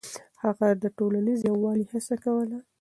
هغه د ټولنيز يووالي هڅه کوله.